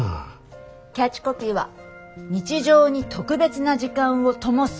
キャッチコピーは「日常に特別な時間を灯す」